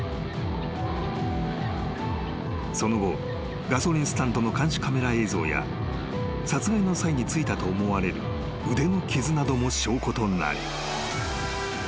［その後ガソリンスタンドの監視カメラ映像や殺害の際に付いたと思われる腕の傷なども証拠となり］